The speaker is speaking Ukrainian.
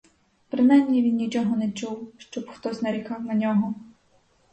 Принаймні він нічого не чув, щоб хтось нарікав на нього.